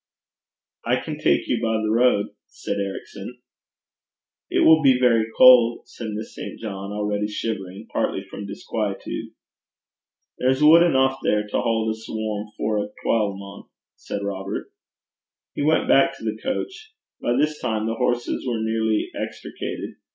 'I can take you by the road,' said Ericson. 'It will be very cold,' said Miss St. John, already shivering, partly from disquietude. 'There's timmer eneuch there to haud 's warm for a twalmonth,' said Robert. He went back to the coach. By this time the horses were nearly extricated.